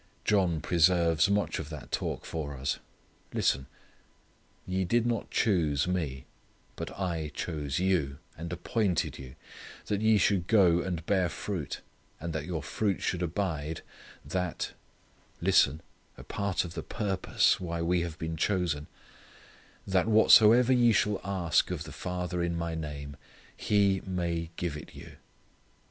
John preserves much of that talk for us. Listen: "Ye did not choose Me, but I chose you, and appointed you, that ye should go and bear fruit, and that your fruit should abide: that" listen, a part of the purpose why we have been chosen "that whatsoever ye shall ask of the Father in My name, He may give it you."